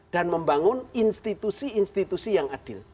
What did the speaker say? dan membangun institusi institusi yang adil